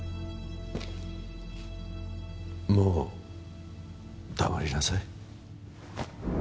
もう黙りなさい。